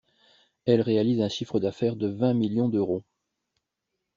Elle réalise un chiffre d'affaires de vingt millions d'euros.